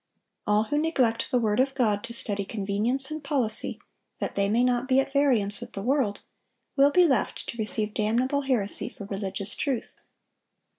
All who neglect the word of God to study convenience and policy, that they may not be at variance with the world, will be left to receive damnable heresy for religious truth.